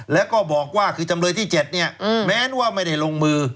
แล้วก็บอกว่าคือจำเลยที่๗เนี่ยแม้ว่าไม่ได้ลงมือ